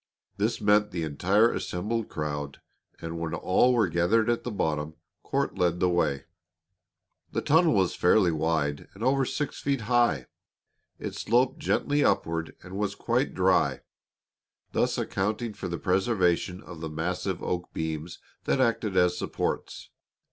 This meant the entire assembled crowd, and when all were gathered at the bottom, Court led the way. The tunnel was fairly wide and over six feet high. It sloped gently upward and was quite dry, thus accounting for the preservation of the massive oak beams that acted as supports.